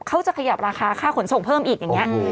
เขาจะขยับราคาค่าขนส่งเพิ่มอีกอย่างนี้